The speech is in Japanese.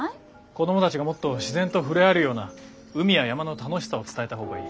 子供たちがもっと自然と触れ合えるような海や山の楽しさを伝えた方がいい。